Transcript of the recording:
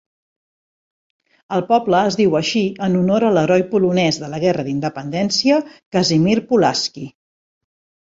El poble es diu així en honor a l'heroi polonès de la Guerra d'Independència Casimir Pulaski.